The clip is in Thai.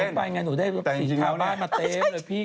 เป้นป้ายงานหนูได้สีคลับบ้านมาเต็มเลยพี่